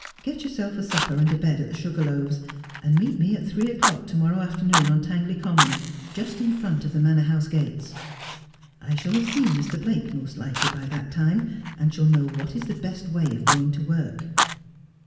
' Get yourself a supper and a bed at the Sugar Loaves, and meet me at three o'clock to morrow afternoon on Tangley Common, just in front of the Manor House gates. I shall have seen Mr. Blake, most likely, by that time, and shall know what is the best way of going to work.'